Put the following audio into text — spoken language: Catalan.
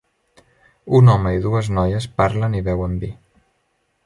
Un home i dues noies parlen i beuen vi.